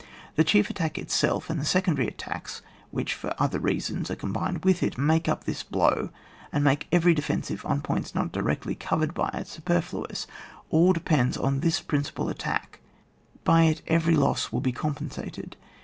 The chief attack itself, and the secondary attacks, which for other reasons are combined with it, make up this blow, and make every defensive, on points not directly covered by it, superfluous. All depends on this prin cipal attack; by it every loss will be compensated.